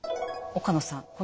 岡野さん